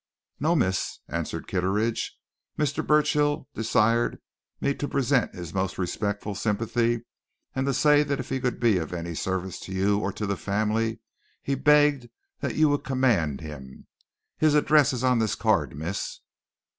"No, miss," answered Kitteridge. "Mr. Burchill desired me to present his most respectful sympathy, and to say that if he could be of any service to you or to the family, he begged that you would command him. His address is on this card, miss."